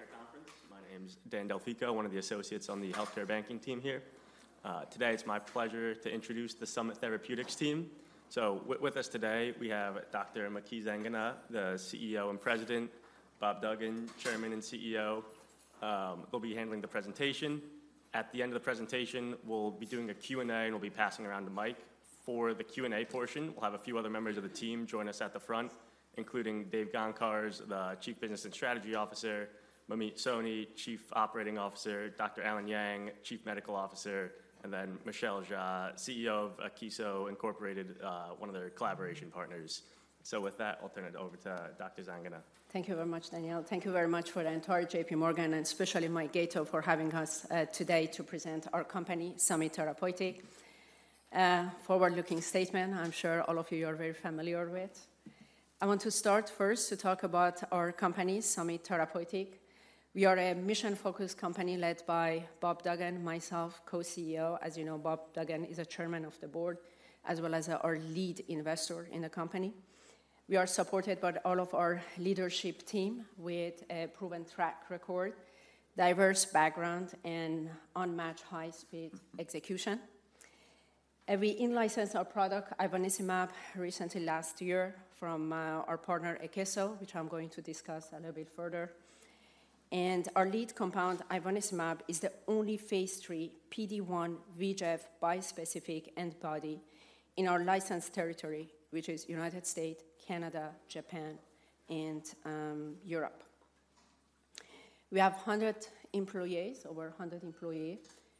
Good afternoon, everybody. Welcome to the 42nd annual J.P. Morgan Healthcare Conference. My name is Dan Delfico, one of the associates on the healthcare banking team here. Today, it's my pleasure to introduce the Summit Therapeutics team. With us today, we have Dr. Maky Zanganeh, the CEO and President, Bob Duggan, Chairman and CEO, will be handling the presentation. At the end of the presentation, we'll be doing a Q&A, and we'll be passing around the mic. For the Q&A portion, we'll have a few other members of the team join us at the front, including Dave Gancarz, the Chief Business and Strategy Officer, Manmeet Soni, Chief Operating Officer, Dr. Allen Yang, Chief Medical Officer, and then Michelle Xia, CEO of Akeso, Inc., one of their collaboration partners. With that, I'll turn it over to Dr. Maky Zanganeh. Thank you very much, Daniel. Thank you very much for the entire J.P. Morgan, and especially Mike Gaito, for having us today to present our company, Summit Therapeutics. Forward-looking statement, I'm sure all of you are very familiar with. I want to start first to talk about our company, Summit Therapeutics. We are a mission-focused company led by Bob Duggan, myself, co-CEO. As you know, Bob Duggan is the Chairman of the Board, as well as our lead investor in the company. We are supported by all of our leadership team with a proven track record, diverse background, and unmatched high-speed execution. We in-licensed our product, ivonescimab, recently last year from our partner, Akeso, which I'm going to discuss a little bit further. Our lead compound, ivonescimab, is the only Phase III PD-1 VEGF bispecific antibody in our licensed territory, which is United States, Canada, Japan, and Europe. We have 100 employees, over 100 employees.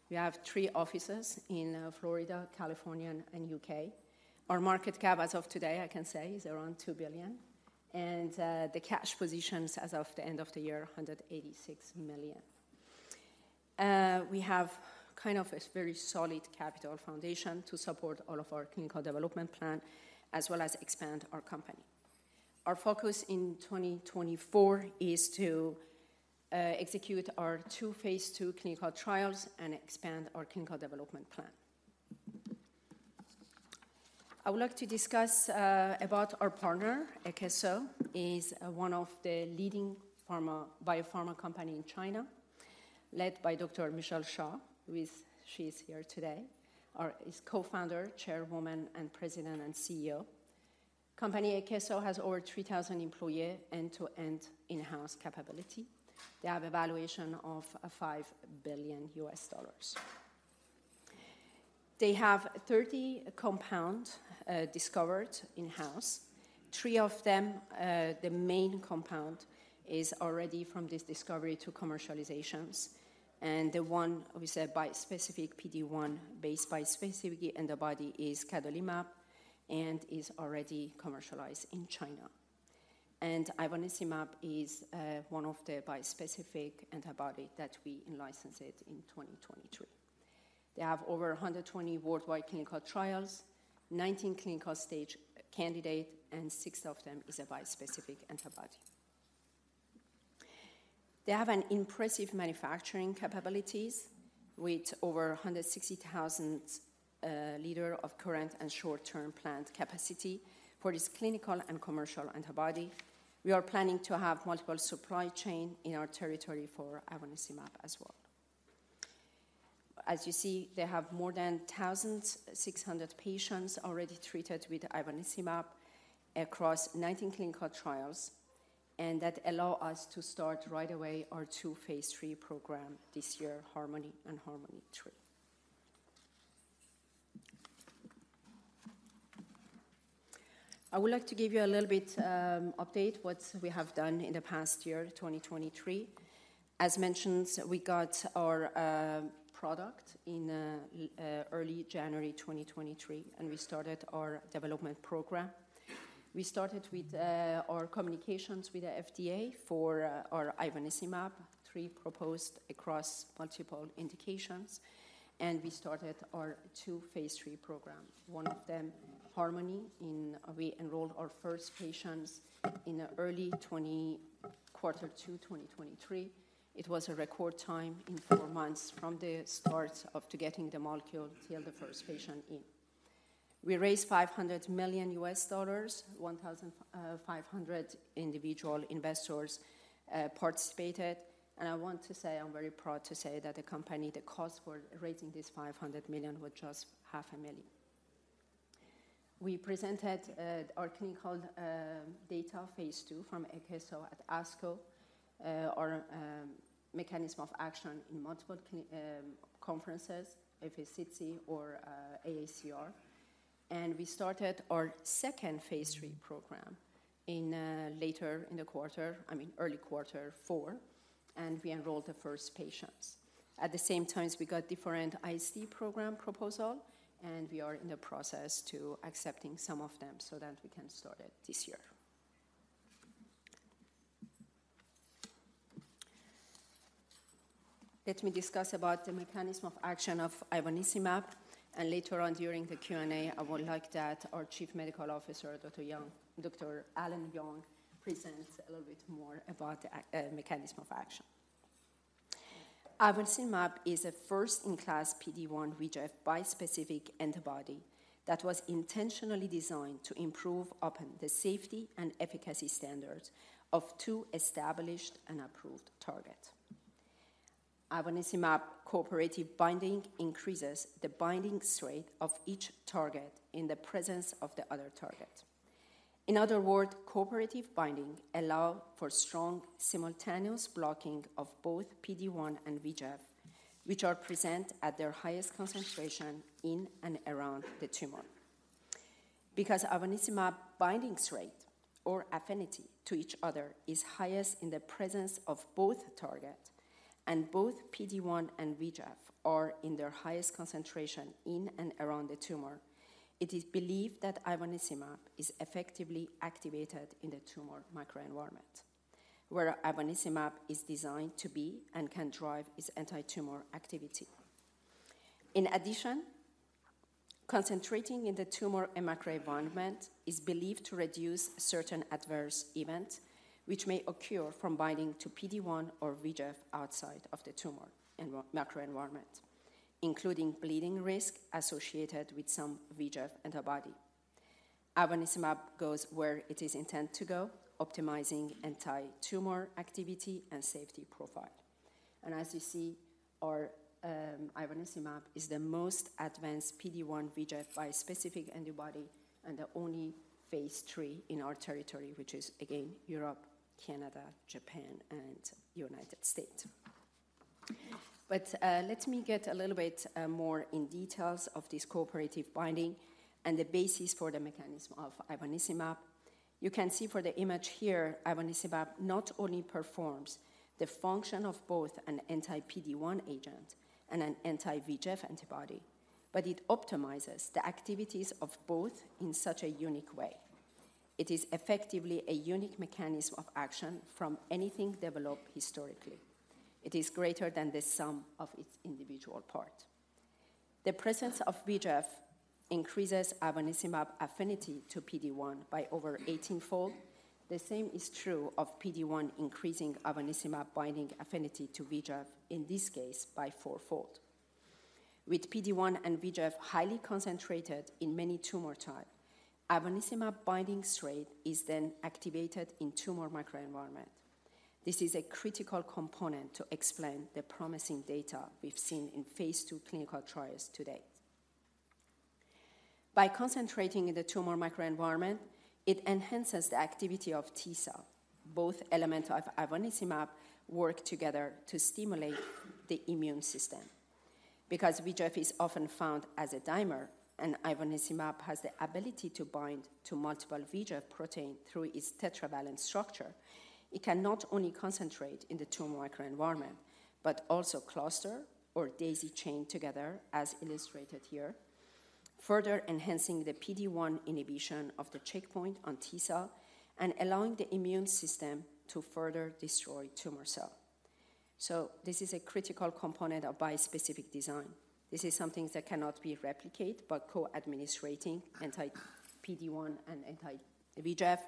We have 3 offices in Florida, California, and U.K. Our market cap as of today, I can say, is around $2 billion, and the cash position as of the end of the year, $186 million. We have kind of a very solid capital foundation to support all of our clinical development plan, as well as expand our company. Our focus in 2024 is to execute our 2 Phase II clinical trials and expand our clinical development plan. I would like to discuss about our partner. Akeso is one of the leading pharma biopharma company in China, led by Dr. Michelle Xia, who is she is here today, our co-founder, chairwoman, and president and CEO. Akeso has over 3,000 employees, end-to-end in-house capability. They have a valuation of $5 billion. They have 30 compounds discovered in-house. Three of them, the main compound is already from this discovery to commercializations, and the one, obviously, a bispecific PD-1-based bispecific antibody is cadonilimab, and is already commercialized in China. And ivonescimab is one of the bispecific antibodies that we in-licensed in 2023. They have over 120 worldwide clinical trials, 19 clinical-stage candidates, and 6 of them are bispecific antibodies. They have impressive manufacturing capabilities with over 160,000 liters of current and short-term plant capacity for clinical and commercial antibody. We are planning to have multiple supply chains in our territory for ivonescimab as well. As you see, they have more than 1,600 patients already treated with ivonescimab across 19 clinical trials, and that allow us to start right away our two phase III program this year, HARMONi and HARMONi-3. I would like to give you a little bit update what we have done in the past year, 2023. As mentioned, we got our product in early January 2023, and we started our development program. We started with our communications with the FDA for our ivonescimab IND proposed across multiple indications, and we started our two phase III program. One of them, HARMONi, we enrolled our first patients in early quarter two 2023. It was a record time in 4 months from the start of to getting the molecule till the first patient in. We raised $500 million. 1,500 individual investors participated, and I want to say I'm very proud to say that the company, the cost for raising this $500 million was just $500,000. We presented our clinical data Phase II from Akeso at ASCO, our mechanism of action in multiple conferences, ESMO or AACR. And we started our second phase III program in later in the quarter, I mean, early quarter four, and we enrolled the first patients. At the same time, we got different IC program proposal, and we are in the process to accepting some of them so that we can start it this year. Let me discuss about the mechanism of action of ivonescimab, and later on during the Q&A, I would like that our Chief Medical Officer, Dr. Yang, Dr. Allen Yang presents a little bit more about the mechanism of action. Ivonescimab is a first-in-class PD-1 VEGF bispecific antibody that was intentionally designed to improve upon the safety and efficacy standards of two established and approved target. Ivonescimab cooperative binding increases the binding strength of each target in the presence of the other target. In other words, cooperative binding allow for strong simultaneous blocking of both PD-1 and VEGF, which are present at their highest concentration in and around the tumor. Because ivonescimab binding strength or affinity to each other is highest in the presence of both target, and both PD-1 and VEGF are in their highest concentration in and around the tumor, it is believed that ivonescimab is effectively activated in the tumor microenvironment, where ivonescimab is designed to be and can drive its anti-tumor activity. In addition, concentrating in the tumor microenvironment is believed to reduce certain adverse events, which may occur from binding to PD-1 or VEGF outside of the tumor microenvironment, including bleeding risk associated with some VEGF antibody. Ivonescimab goes where it is intended to go, optimizing anti-tumor activity and safety profile. And as you see, our ivonescimab is the most advanced PD-1 VEGF bispecific antibody and the only Phase III in our territory, which is again, Europe, Canada, Japan, and United States. But let me get a little bit more in details of this cooperative binding and the basis for the mechanism of ivonescimab. You can see from the image here, ivonescimab not only performs the function of both an anti-PD-1 agent and an anti-VEGF antibody, but it optimizes the activities of both in such a unique way. It is effectively a unique mechanism of action from anything developed historically. It is greater than the sum of its individual parts. The presence of VEGF increases ivonescimab affinity to PD-1 by over 18-fold. The same is true of PD-1, increasing ivonescimab binding affinity to VEGF, in this case, by 4-fold. With PD-1 and VEGF highly concentrated in many tumor types, ivonescimab binding strength is then activated in tumor microenvironment. This is a critical component to explain the promising data we've seen in Phase II clinical trials to date. By concentrating in the tumor microenvironment, it enhances the activity of T cells. Both elements of ivonescimab work together to stimulate the immune system. Because VEGF is often found as a dimer and ivonescimab has the ability to bind to multiple VEGF protein through its tetravalent structure, it can not only concentrate in the tumor microenvironment, but also cluster or daisy chain together, as illustrated here, further enhancing the PD-1 inhibition of the checkpoint on T cell and allowing the immune system to further destroy tumor cell. So this is a critical component of bispecific design. This is something that cannot be replicated, but co-administrating anti-PD-1 and anti-VEGF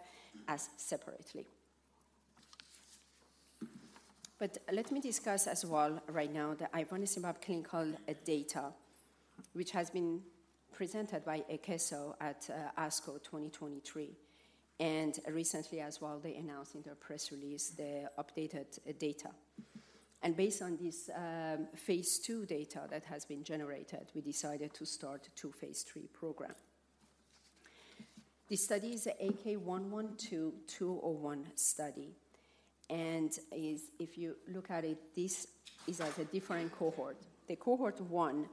as separately. But let me discuss as well right now, the ivonescimab clinical data, which has been presented by Akeso at, ASCO 2023, and recently as well, they announced in their press release the updated data. And based on this, Phase II data that has been generated, we decided to start two Phase III program. The study is AK112-201 study, and is, if you look at it, this is like a different cohort. The cohort 1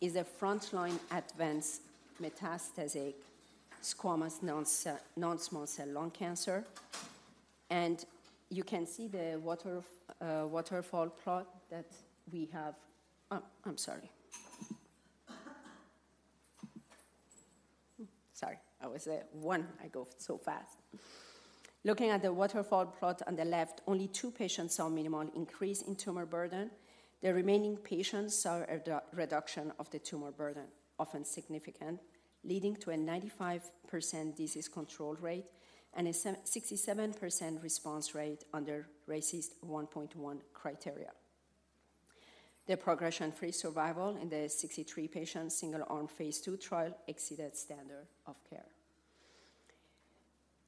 is a frontline advanced metastatic squamous non-small cell lung cancer. And you can see the water, waterfall plot that we have. Looking at the waterfall plot on the left, only 2 patients saw minimal increase in tumor burden. The remaining patients saw a reduction of the tumor burden, often significant, leading to a 95% disease control rate and a 67% response rate under RECIST 1.1 criteria. The progression-free survival in the 63 patients single-arm Phase II trial exceeded standard of care.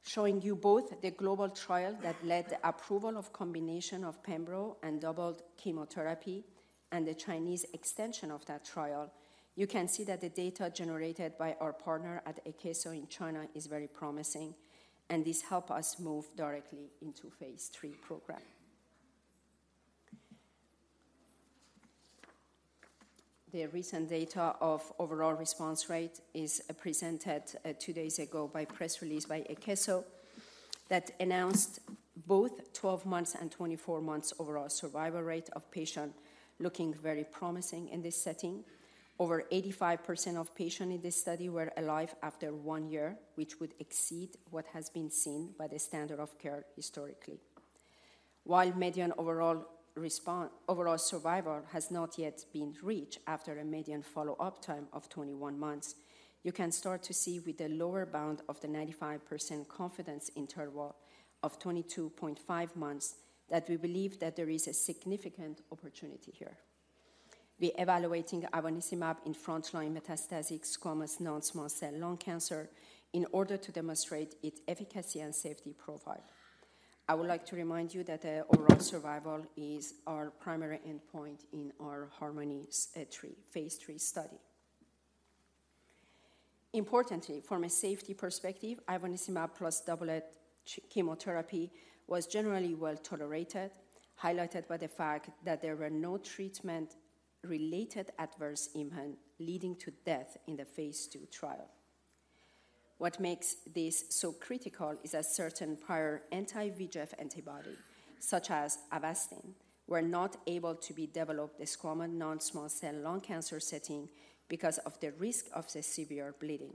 Showing you both the global trial that led the approval of combination of pembro and doublet chemotherapy and the Chinese extension of that trial, you can see that the data generated by our partner at Akeso in China is very promising, and this help us move directly into phase three program. The recent data of overall response rate is presented, two days ago by press release by Akeso, that announced both 12 months and 24 months overall survival rate of patient looking very promising in this setting. Over 85% of patients in this study were alive after one year, which would exceed what has been seen by the standard of care historically. While median overall survival has not yet been reached after a median follow-up time of 21 months, you can start to see with the lower bound of the 95% confidence interval of 22.5 months, that we believe that there is a significant opportunity here. We're evaluating ivonescimab in frontline metastatic squamous non-small cell lung cancer in order to demonstrate its efficacy and safety profile. I would like to remind you that the overall survival is our primary endpoint in our HARMONi Phase III study. Importantly, from a safety perspective, ivonescimab plus doublet chemotherapy was generally well tolerated, highlighted by the fact that there were no treatment-related adverse event leading to death in the Phase II trial. What makes this so critical is a certain prior anti-VEGF antibody, such as Avastin, were not able to be developed in squamous non-small cell lung cancer setting because of the risk of the severe bleeding.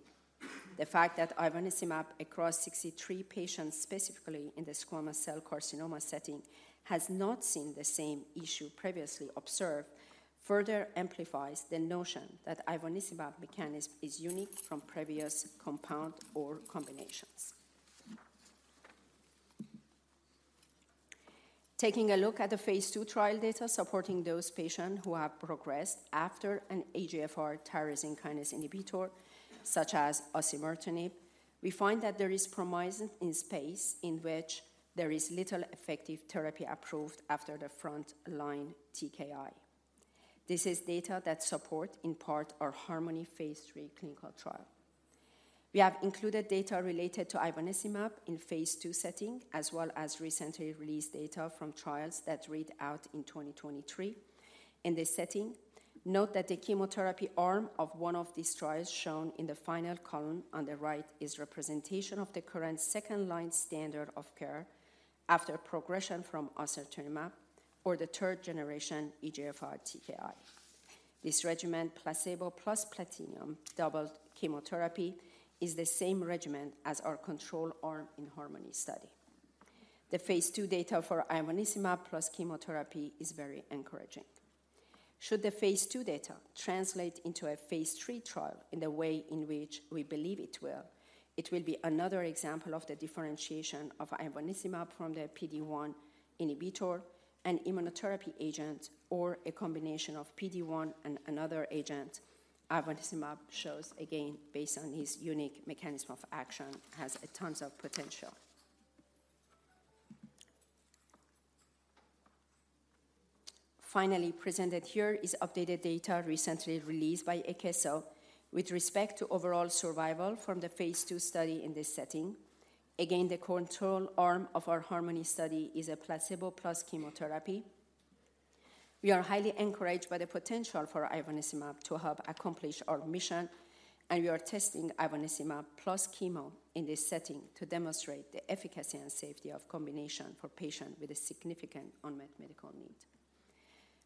The fact that ivonescimab across 63 patients, specifically in the squamous cell carcinoma setting, has not seen the same issue previously observed, further amplifies the notion that ivonescimab mechanism is unique from previous compound or combinations. Taking a look at the Phase II trial data supporting those patients who have progressed after an EGFR tyrosine kinase inhibitor, such as osimertinib, we find that there is promise in space in which there is little effective therapy approved after the frontline TKI. This is data that support, in part, our HARMONi Phase III clinical trial. We have included data related to ivonescimab in Phase II setting, as well as recently released data from trials that read out in 2023. In this setting, note that the chemotherapy arm of one of these trials shown in the final column on the right, is representation of the current second-line standard of care after progression from osimertinib or the third generation EGFR TKI. This regimen, placebo plus platinum-doublet chemotherapy, is the same regimen as our control arm in HARMONi study. The Phase II data for ivonescimab plus chemotherapy is very encouraging. Should the Phase II data translate into a Phase III trial in the way in which we believe it will, it will be another example of the differentiation of ivonescimab from the PD-1 inhibitor, an immunotherapy agent, or a combination of PD-1 and another agent. Ivonescimab shows, again, based on its unique mechanism of action, has a tons of potential. Finally, presented here is updated data recently released by Akeso with respect to overall survival from the Phase II study in this setting. Again, the control arm of our HARMONi study is a placebo plus chemotherapy. We are highly encouraged by the potential for ivonescimab to help accomplish our mission, and we are testing ivonescimab plus chemo in this setting to demonstrate the efficacy and safety of combination for patients with a significant unmet medical need.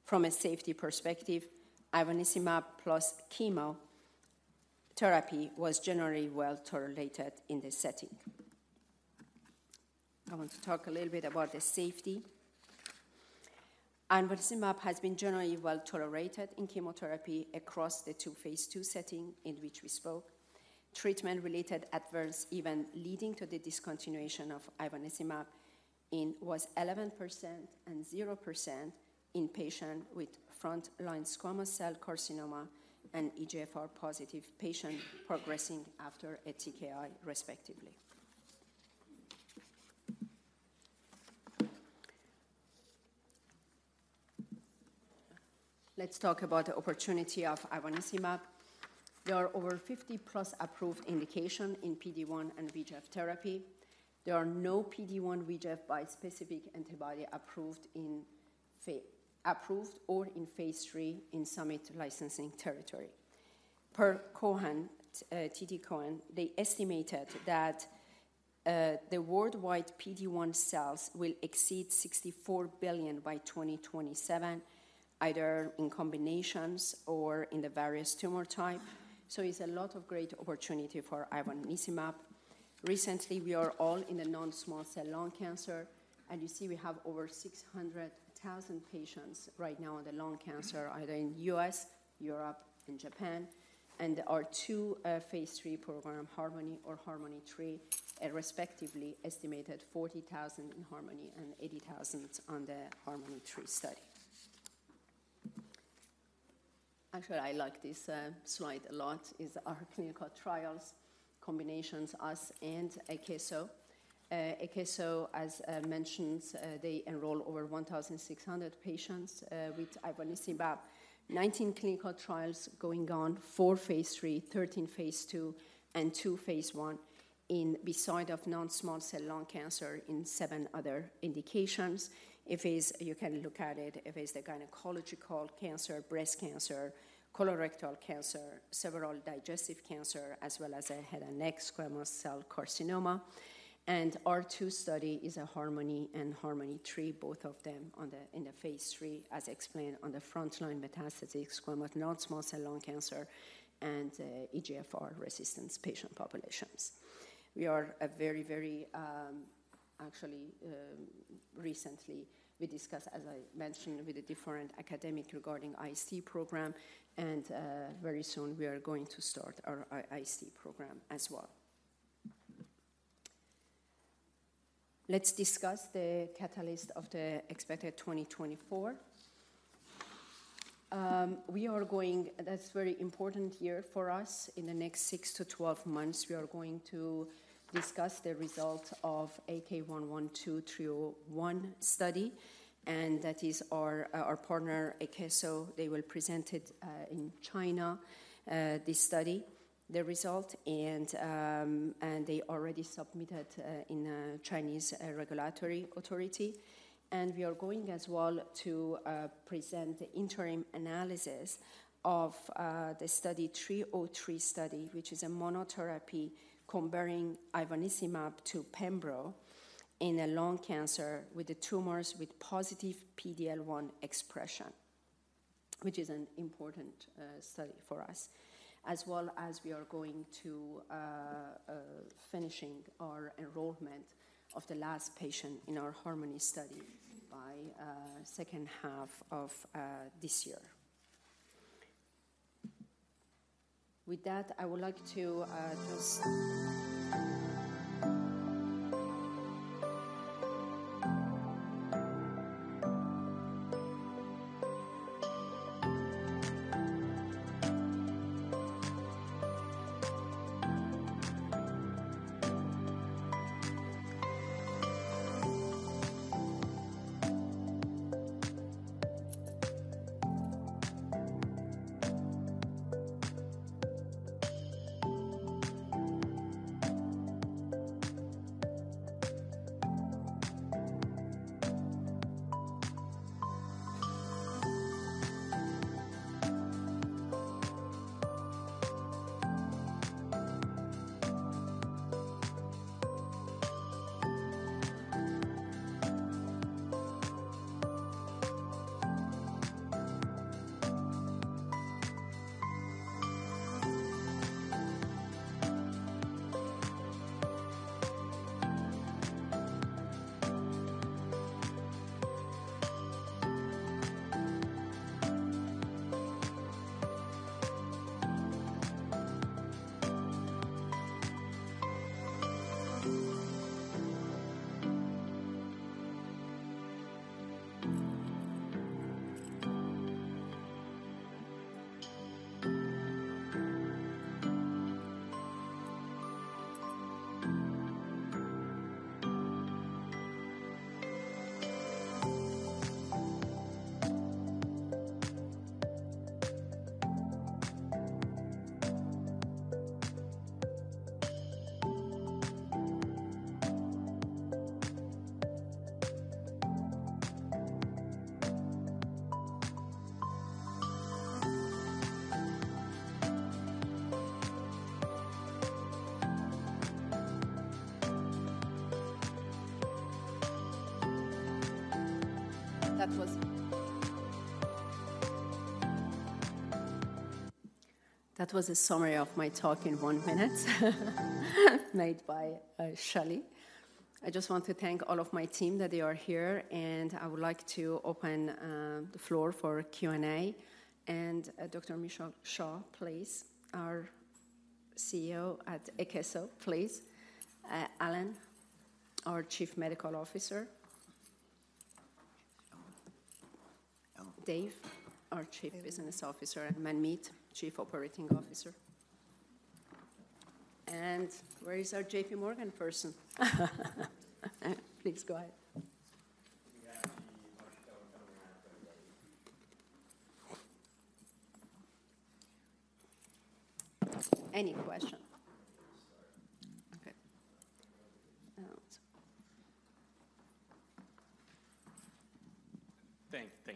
From a safety perspective, ivonescimab plus chemotherapy was generally well tolerated in this setting. I want to talk a little bit about the safety. Ivonescimab has been generally well tolerated in chemotherapy across the two Phase II setting in which we spoke. Treatment-related adverse event leading to the discontinuation of ivonescimab in was 11% and 0% in patients with front line squamous cell carcinoma and EGFR positive patients progressing after a TKI, respectively. Let's talk about the opportunity of ivonescimab. There are over 50+ approved indication in PD-1 and VEGF therapy. There are no PD-1 VEGF bispecific antibody approved in approved or in Phase III in Summit licensing territory. Per Cohen, TD Cowen, they estimated that, the worldwide PD-1 sales will exceed $64 billion by 2027, either in combinations or in the various tumor type. So it's a lot of great opportunity for ivonescimab. Recently, we are all in the non-small cell lung cancer, and you see we have over 600,000 patients right now on the lung cancer, either in U.S., Europe, and Japan, and our two Phase III program, HARMONi or HARMONi-3, respectively, estimated 40,000 in HARMONi and 80,000 on the HARMONi-3 study. Actually, I like this slide a lot, is our clinical trials combinations, us and Akeso. Akeso, as mentioned, they enroll over 1,600 patients with ivonescimab. 19 clinical trials going on, 4 Phase III, 13 Phase II, and 2 phase I besides non-small cell lung cancer in seven other indications. You can look at it, if it's the gynecological cancer, breast cancer, colorectal cancer, several digestive cancer, as well as a head and neck squamous cell carcinoma. Our two studies are HARMONi and HARMONi-3, both of them in the Phase III, as explained in the frontline metastatic squamous non-small cell lung cancer and EGFR resistance patient populations. We are a very, very... Actually, recently, we discussed, as I mentioned, with a different academic regarding IC program, and very soon we are going to start our I-IC program as well. Let's discuss the catalysts of the expected 2024. That's a very important year for us. In the next 6-12 months, we are going to discuss the result of AK112-301 study, and that is our partner Akeso. They will present it in China this study, the result, and they already submitted in the Chinese regulatory authority. And we are going as well to present the interim analysis of the study 303 study, which is a monotherapy comparing ivonescimab to pembro in a lung cancer with the tumors with positive PD-L1 expression, which is an important study for us. As well as we are going to finishing our enrollment of the last patient in our HARMONi study by second half of this year. With that, I would like to just. That was, that was a summary of my talk in one minute, made by Michelle. I just want to thank all of my team that they are here, and I would like to open the floor for Q&A. And Dr. Michelle Xia, please, our CEO at Akeso, please. Allen, our Chief Medical Officer. Dave, our Chief Business Officer, and Manmeet, Chief Operating Officer. Where is our J.P. Morgan person? Please go ahead. We have the... Any question? Sorry.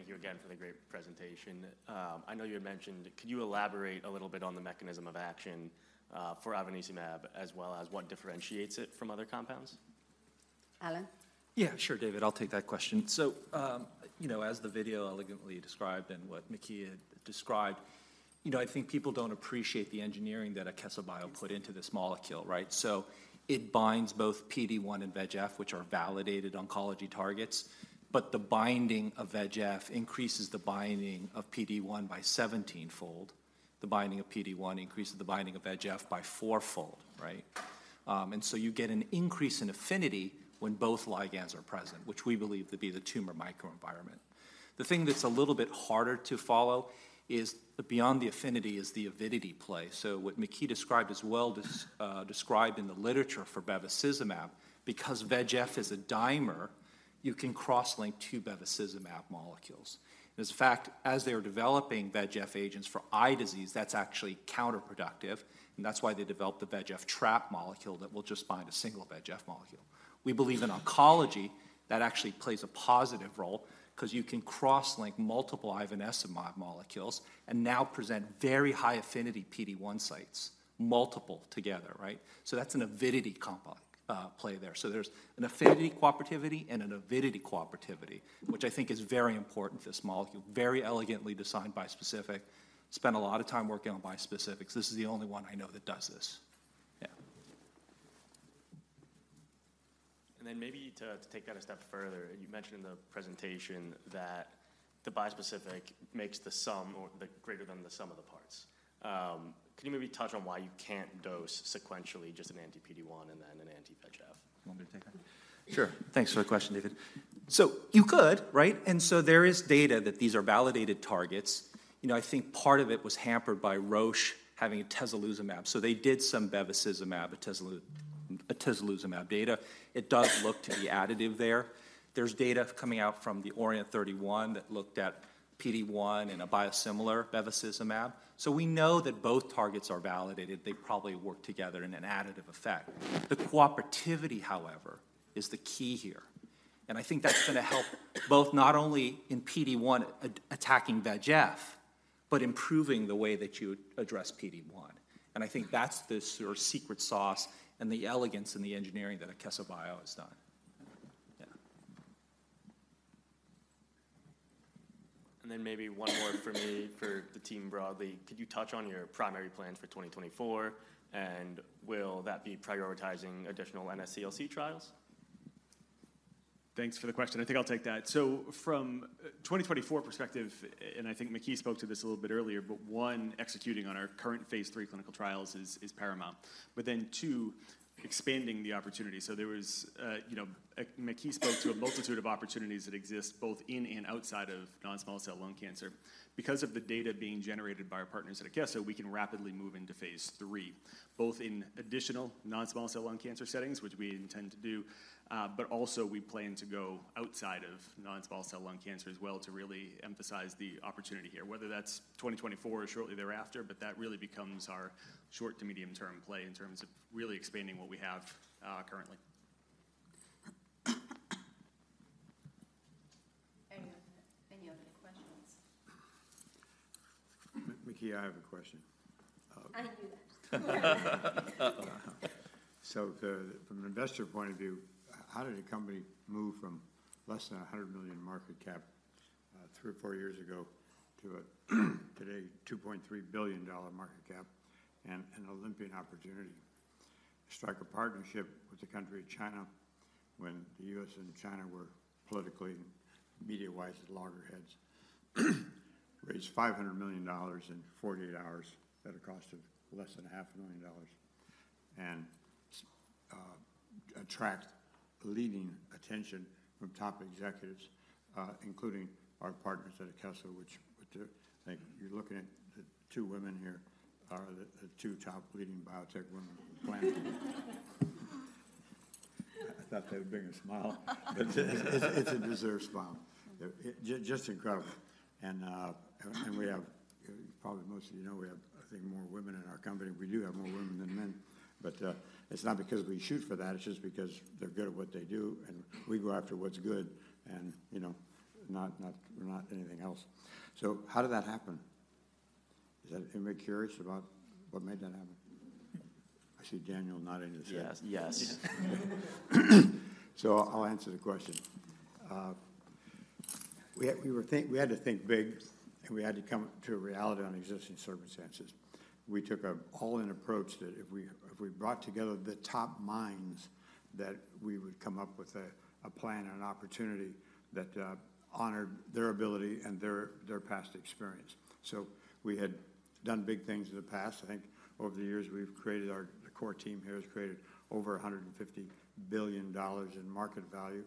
Okay. Oh. Thank you again for the great presentation. I know you had mentioned. Could you elaborate a little bit on the mechanism of action for ivonescimab, as well as what differentiates it from other compounds? Allen? Yeah, sure, David. I'll take that question. So, you know, as the video elegantly described and what Maky had described, you know, I think people don't appreciate the engineering that Akeso Bio put into this molecule, right? So it binds both PD-1 and VEGF, which are validated oncology targets, but the binding of VEGF increases the binding of PD-1 by 17-fold. The binding of PD-1 increases the binding of VEGF by 4-fold, right? And so you get an increase in affinity when both ligands are present, which we believe to be the tumor microenvironment. The thing that's a little bit harder to follow is beyond the affinity, is the avidity play. So what Maky described, as well as described in the literature for bevacizumab, because VEGF is a dimer, you can cross-link two bevacizumab molecules. As a fact, as they are developing VEGF agents for eye disease, that's actually counterproductive, and that's why they developed the VEGF trap molecule that will just bind a single VEGF molecule. We believe in oncology, that actually plays a positive role 'cause you can cross-link multiple ivonescimab molecules and now present very high affinity PD-1 sites, multiple together, right? So that's an avidity compo play there. So there's an affinity cooperativity and an avidity cooperativity, which I think is very important for this molecule. Very elegantly designed bispecific. Spent a lot of time working on bispecifics. This is the only one I know that does this. Yeah. And then maybe to take that a step further, you mentioned in the presentation that the bispecific makes the sum or the greater than the sum of the parts. Can you maybe touch on why you can't dose sequentially just an anti-PD-1 and then an anti-VEGF? You want me to take that? Sure. Thanks for the question, David. So you could, right? And so there is data that these are validated targets. You know, I think part of it was hampered by Roche having atezolizumab. So they did some bevacizumab, atezolizumab data. It does look to be additive there. There's data coming out from the ORIENT-31 that looked at PD-1 and a biosimilar bevacizumab. So we know that both targets are validated. They probably work together in an additive effect. The cooperativity, however, is the key here, and I think that's gonna help both, not only in PD-1 attacking VEGF, but improving the way that you address PD-1. And I think that's the sort of secret sauce and the elegance in the engineering that Akeso Bio has done. Yeah. Then maybe one more from me for the team broadly: Could you touch on your primary plans for 2024, and will that be prioritizing additional NSCLC trials? Thanks for the question. I think I'll take that. So from a 2024 perspective, and I think Maky spoke to this a little bit earlier, but one, executing on our current phase III clinical trials is paramount. But then two, expanding the opportunity. So there was, you know, Maky spoke to a multitude of opportunities that exist both in and outside of non-small cell lung cancer. Because of the data being generated by our partners at Akeso, we can rapidly move into phase III, both in additional non-small cell lung cancer settings, which we intend to do, but also we plan to go outside of non-small cell lung cancer as well to really emphasize the opportunity here, whether that's 2024 or shortly thereafter, but that really becomes our short to medium-term play in terms of really expanding what we have currently. Anyone? Any other questions? Maky, I have a question. I knew that. So from an investor point of view, how did a company move from less than $100 million market cap three or four years ago to today $2.3 billion market cap and an Olympian opportunity? Strike a partnership with the country of China, when the U.S. and China were politically and media-wise at loggerheads. Raised $500 million in 48 hours at a cost of less than $500,000, and attract leading attention from top executives, including our partners at Akeso, which, thank you. You're looking at the two women here, the two top leading biotech women on the planet.I thought that would bring a smile.It's a deserved smile. Just incredible. And we have, probably most of you know, we have, I think, more women in our company. We do have more women than men, but it's not because we shoot for that. It's just because they're good at what they do, and we go after what's good and, you know, not, not, not anything else. So how did that happen? Is that anybody curious about what made that happen? I see Daniel nodding his head. Yes, yes. So I'll answer the question. We had to think big, and we had to come to a reality on existing circumstances. We took an all-in approach that if we brought together the top minds, that we would come up with a plan and an opportunity that honored their ability and their past experience. So we had done big things in the past. I think over the years, the core team here has created over $150 billion in market value,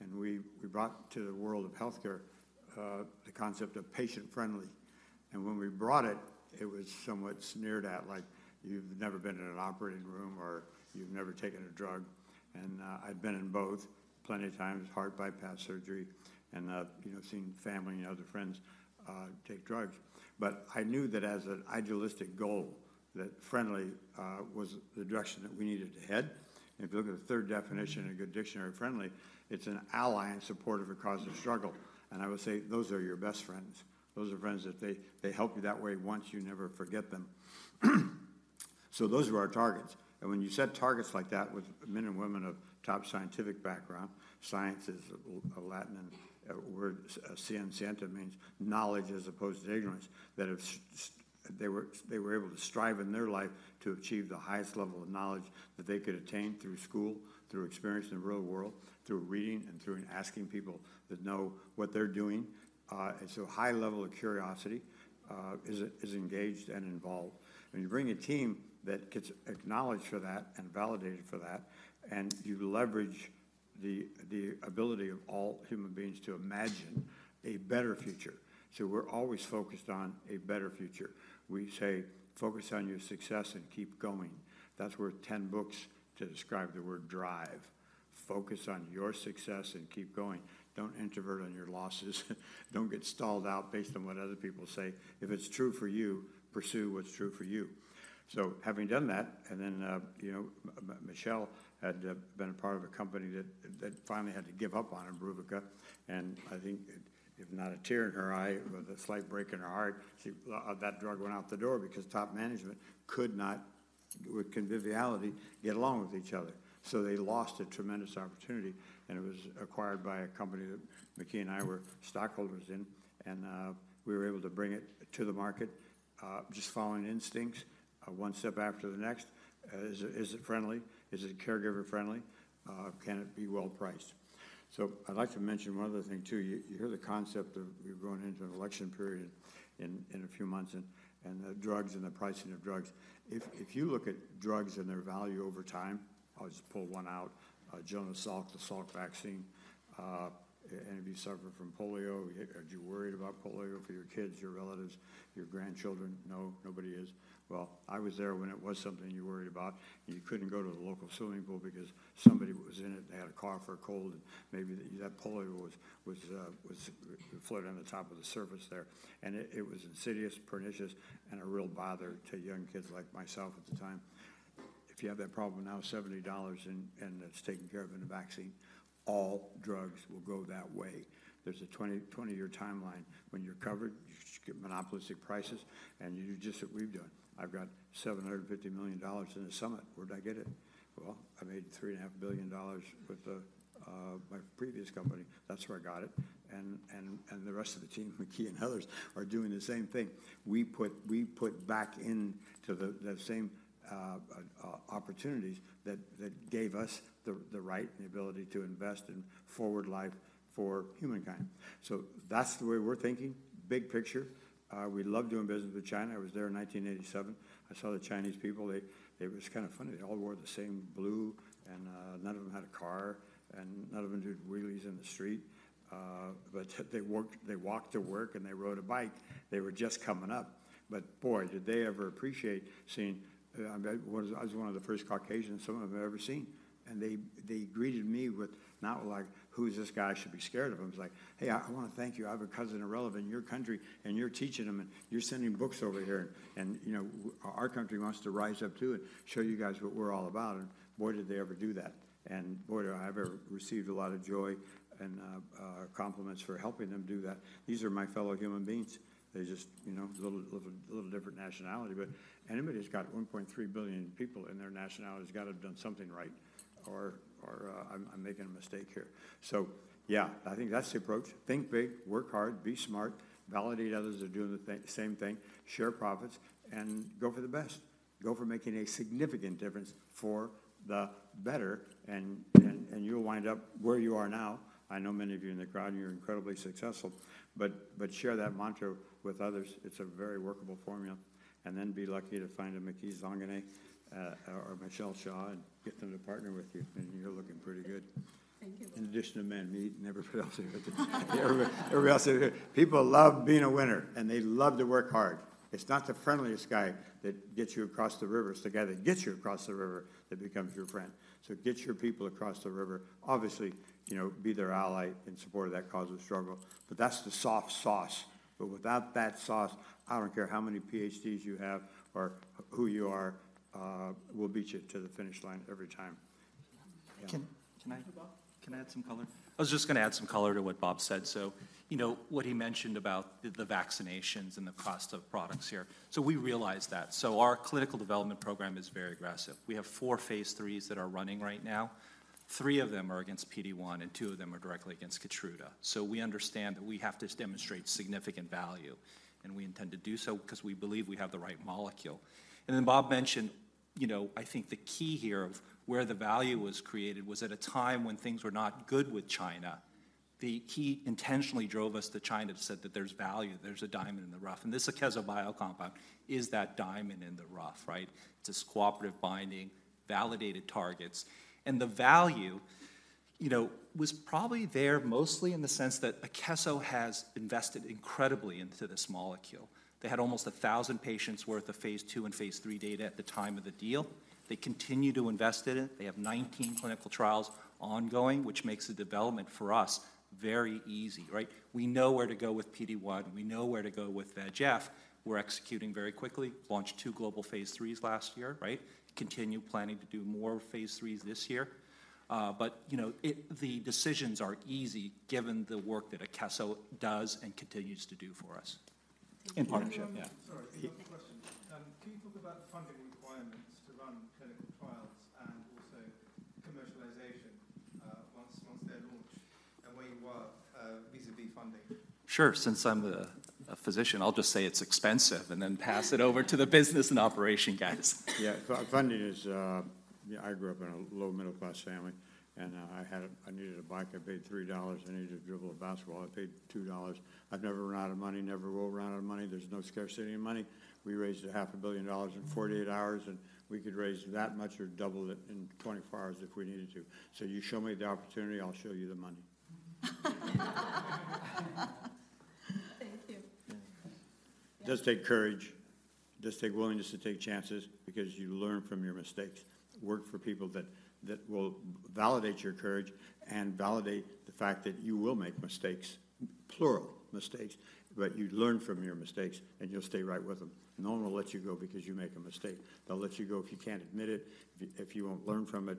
and we brought to the world of healthcare the concept of patient friendly. And when we brought it, it was somewhat sneered at, like, "You've never been in an operating room," or, "You've never taken a drug." And, I've been in both plenty of times, heart bypass surgery and, you know, seen family and other friends, take drugs. But I knew that as an idealistic goal, that friendly, was the direction that we needed to head. If you look at the third definition in a good dictionary, friendly, it's an ally in support of a cause or struggle. And I would say those are your best friends. Those are friends that they help you that way once, you never forget them. So those were our targets. And when you set targets like that with men and women of top scientific background, science is a Latin word. Scientia means knowledge as opposed to ignorance, that if they were, they were able to strive in their life to achieve the highest level of knowledge that they could attain through school, through experience in the real world, through reading and through asking people that know what they're doing. And so high level of curiosity is engaged and involved. When you bring a team that gets acknowledged for that and validated for that, and you leverage the ability of all human beings to imagine a better future. So we're always focused on a better future. We say, "Focus on your success and keep going." That's worth 10 books to describe the word drive. Focus on your success and keep going. Don't introvert on your losses. Don't get stalled out based on what other people say. If it's true for you, pursue what's true for you. So having done that, and then, you know, Michelle had been a part of a company that finally had to give up on ibrutinib, and I think if not a tear in her eye, with a slight break in her heart, she, that drug went out the door because top management could not, with conviviality, get along with each other. So they lost a tremendous opportunity, and it was acquired by a company that Maky and I were stockholders in, and we were able to bring it to the market, just following instincts, one step after the next. Is it friendly? Is it caregiver friendly? Can it be well-priced? So I'd like to mention one other thing, too. You hear the concept of we're going into an election period in a few months, and drugs and the pricing of drugs. If you look at drugs and their value over time, I'll just pull one out, Jonas Salk, the Salk vaccine. Any of you suffer from polio? Are you worried about polio for your kids, your relatives, your grandchildren? No, nobody is. Well, I was there when it was something you worried about, and you couldn't go to the local swimming pool because somebody was in it and they had a cough or a cold, and maybe that polio was floating on the top of the surface there. And it was insidious, pernicious, and a real bother to young kids like myself at the time. If you have that problem now, $70 and it's taken care of in a vaccine. All drugs will go that way. There's a 20-year timeline. When you're covered, you get monopolistic prices, and you do just what we've done. I've got $750 million in Summit. Where'd I get it? Well, I made $3.5 billion with my previous company. That's where I got it. And the rest of the team, Maky and others, are doing the same thing. We put back into the same opportunities that gave us the right and the ability to invest in forward life for humankind. So that's the way we're thinking. Big picture. We love doing business with China. I was there in 1987. I saw the Chinese people. It was kind of funny. They all wore the same blue, and none of them had a car, and none of them did wheelies in the street. But they walked to work, and they rode a bike. They were just coming up. But boy, did they ever appreciate seeing. I was, I was one of the first Caucasians some of them had ever seen. And they, they greeted me with not like, "Who is this guy? I should be scared of him." It was like, "Hey, I want to thank you. I have a cousin and relative in your country, and you're teaching them, and you're sending books over here. And, you know, our country wants to rise up too and show you guys what we're all about." And boy, did they ever do that. Boy, have I ever received a lot of joy and compliments for helping them do that. These are my fellow human beings. They just, you know, a little, little, a little different nationality. But anybody who's got 1.3 billion people in their nationality has got to have done something right, or I'm making a mistake here. So yeah, I think that's the approach. Think big, work hard, be smart, validate others are doing the same thing, share profits, and go for the best. Go for making a significant difference for the better, and you'll wind up where you are now. I know many of you in the crowd, you're incredibly successful, but share that mantra with others. It's a very workable formula. Then be lucky to find a Maky Zanganeh, or Michelle Xia and get them to partner with you, and you're looking pretty good. Thank you. In addition to men, me and everybody else here... Everybody else here. People love being a winner, and they love to work hard. It's not the friendliest guy that gets you across the river, it's the guy that gets you across the river that becomes your friend. So get your people across the river. Obviously, you know, be their ally in support of that cause and struggle. But that's the soft sauce. But without that sauce, I don't care how many PhDs you have or who you are, we'll beat you to the finish line every time. Can I- Go, Bob. Can I add some color? I was just gonna add some color to what Bob said. So you know, what he mentioned about the, the vaccinations and the cost of products here, so we realize that. So our clinical development program is very aggressive. We have four Phase III that are running right now. Three of them are against PD-1, and two of them are directly against Keytruda. So we understand that we have to demonstrate significant value, and we intend to do so because we believe we have the right molecule. And then Bob mentioned, you know, I think the key here of where the value was created was at a time when things were not good with China. He intentionally drove us to China to say that there's value, there's a diamond in the rough. And this Akeso Bio compound is that diamond in the rough, right? It's this cooperative binding, validated targets. The value, you know, was probably there mostly in the sense that Akeso has invested incredibly into this molecule. They had almost 1,000 patients worth of Phase II and Phase III data at the time of the deal. They continue to invest in it. They have 19 clinical trials ongoing, which makes the development for us very easy, right? We know where to go with PD-1. We know where to go with VEGF. We're executing very quickly. Launched two global Phase III last year, right? Continue planning to do more Phase IIIs this year. But, you know, it, the decisions are easy given the work that Akeso does and continues to do for us- In partnership. Yeah. Sorry, another question. Can you talk about the funding requirements to run clinical trials and also commercialization, once, once they're launched, and where you are, vis-à-vis funding? Sure. Since I'm a physician, I'll just say it's expensive, and then pass it over to the business and operation guys. Yeah, funding is... Yeah, I grew up in a low middle-class family, and I had—I needed a bike. I paid $3. I needed a dribble of basketball. I paid $2. I've never run out of money, never will run out of money. There's no scarcity of money. We raised $500 million in 48 hours, and we could raise that much or double it in 24 hours if we needed to. So you show me the opportunity, I'll show you the money. Thank you. It does take courage. It does take willingness to take chances because you learn from your mistakes. Work for people that will validate your courage and validate the fact that you will make mistakes, plural, mistakes, but you learn from your mistakes, and you'll stay right with them. No one will let you go because you make a mistake. They'll let you go if you can't admit it, if you won't learn from it.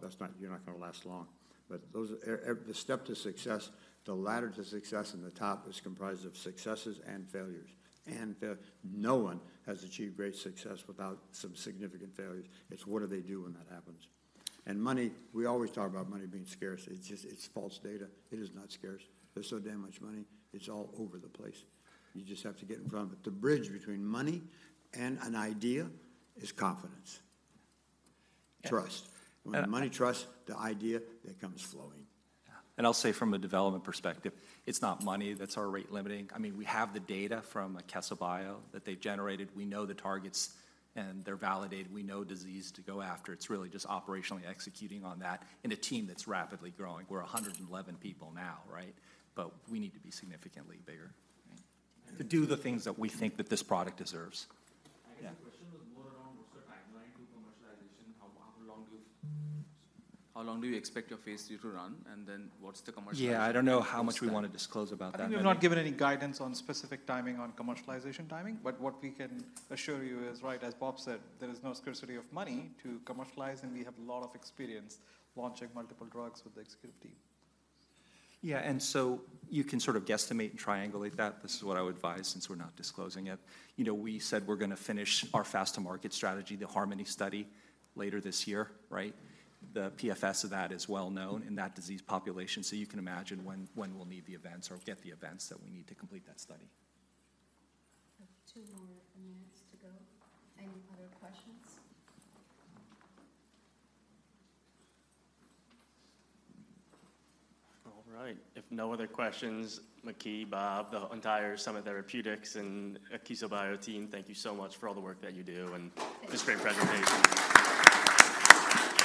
That's not. You're not gonna last long. But those are the step to success, the ladder to success in the top is comprised of successes and failures. And no one has achieved great success without some significant failures. It's what do they do when that happens? And money, we always talk about money being scarce. It's just, it's false data. It is not scarce. There's so damn much money. It's all over the place. You just have to get in front of it. The bridge between money and an idea is confidence. Trust. And- When the money trusts the idea, it comes flowing. Yeah. And I'll say from a development perspective, it's not money that's our rate limiting. I mean, we have the data from Akeso Bio that they've generated. We know the targets, and they're validated. We know disease to go after. It's really just operationally executing on that in a team that's rapidly growing. We're 111 people now, right? But we need to be significantly bigger to do the things that we think that this product deserves. Yeah. I guess the question was more around what's the timeline to commercialization? How long do you expect your Phase III to run, and then what's the commercialization- Yeah, I don't know how much we want to disclose about that. I mean, we've not given any guidance on specific timing, on commercialization timing, but what we can assure you is, right, as Bob said, there is no scarcity of money to commercialize, and we have a lot of experience launching multiple drugs with the executive team. Yeah, and so you can sort of guesstimate and triangulate that. This is what I would advise, since we're not disclosing it. You know, we said we're gonna finish our fast-to-market strategy, the HARMONi study, later this year, right? The PFS of that is well known in that disease population, so you can imagine when, when we'll need the events or get the events that we need to complete that study. We have two more minutes to go. Any other questions? All right. If no other questions, Maky, Bob, the entire Summit Therapeutics and Akeso team, thank you so much for all the work that you do and this great presentation.